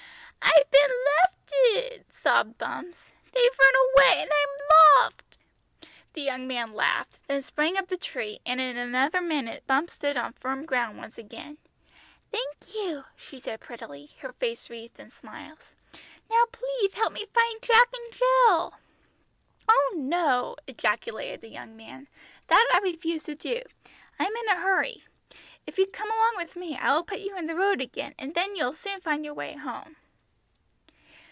"I've been lefted!" sobbed Bumps. "They've run away, and I'm lotht!" The young man laughed, then sprang up the tree, and in another minute Bumps stood on firm ground once again. "Thank you," she said prettily, her face wreathed in smiles. "Now pleathe help me find Jack and Jill." "Oh no!" ejaculated the young man; "that I refuse to do. I'm in a hurry. If you come along with me I will put you in the road again, and then you will soon find your way home."